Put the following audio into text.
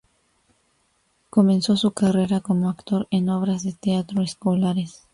Comenzó su carrera como actor en obras de teatro escolares.